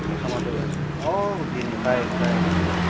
oh begini baik baik